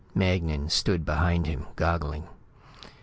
Magnan stood behind him, goggling.